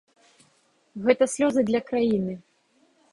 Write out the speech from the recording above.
Гэта слёзы для краіны.